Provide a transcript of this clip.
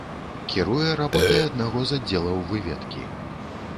Кіруе работай аднаго з аддзелаў выведкі.